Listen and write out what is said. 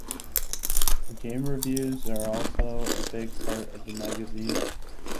Game reviews are also a big part of the magazine.